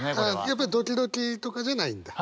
やっぱドキドキとかじゃないんだ？